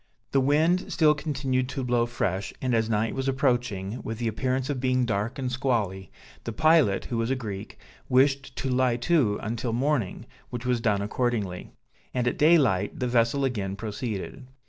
The wind still continued to blow fresh, and as night was approaching, with the appearance of being dark and squally, the pilot, who was a Greek, wished to lie to until morning, which was done accordingly; and at daylight the vessel again proceeded.